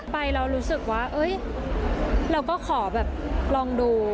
ไปแล้วรู้สึกว่าเอ้ยเราก็ขอแบบลองดู